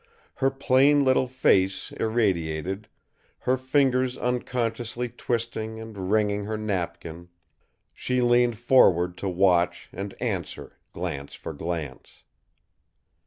Her plain little face irradiated, her fingers unconsciously twisting and wringing her napkin, she leaned forward to watch and answer glance for glance.